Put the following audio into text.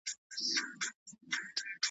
ابليس وواهه پر مخ باندي په زوره .